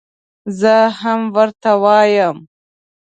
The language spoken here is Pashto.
زه هم ورته وایم.